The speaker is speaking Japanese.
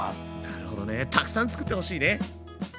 なるほどねたくさん作ってほしいね！